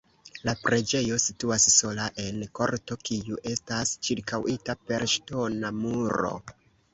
La preĝejo situas sola en korto, kiu estas ĉirkaŭita per ŝtona muro.